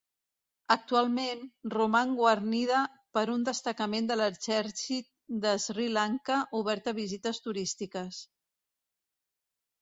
Actualment, roman guarnida per un destacament de l'Exèrcit de Sri Lanka, obert a visites turístiques.